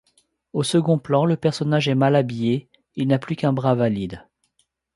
Au second plan, le personnage est mal habillé, il n'a plus qu'un bras valide.